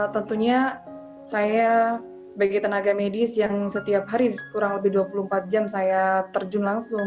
tentunya saya sebagai tenaga medis yang setiap hari kurang lebih dua puluh empat jam saya terjun langsung